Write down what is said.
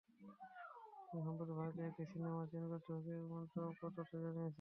কিন্তু, সম্প্রতি ভারতের একটি সিনেমা চেইন কর্তৃপক্ষ এমন চমকপ্রদ তথ্যই জানিয়েছে।